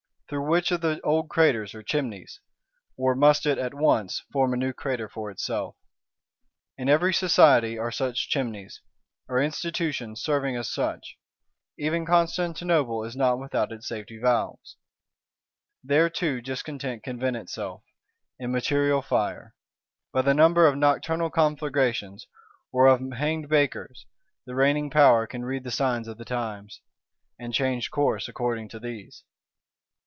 Through which of the old craters or chimneys; or must it, at once, form a new crater for itself? In every Society are such chimneys, are Institutions serving as such: even Constantinople is not without its safety valves; there too Discontent can vent itself,—in material fire; by the number of nocturnal conflagrations, or of hanged bakers, the Reigning Power can read the signs of the times, and change course according to these.